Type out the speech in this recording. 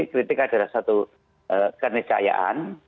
kritik adalah satu kenisayaan